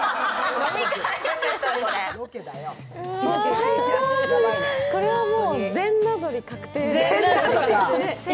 最高ですね、これはもう全なぞり確定。